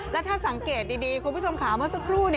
แล้วถ้าสังเกตดีคุณผู้ชมค่ะเมื่อสักครู่